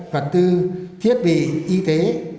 vật tư thiết bị y tế